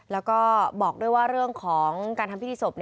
แล้วก็บอกด้วยว่าเรื่องของการทำพิธีศพ